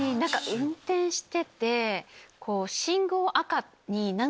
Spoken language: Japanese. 運転してて。